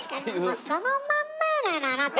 もうそのまんまやないのあなた。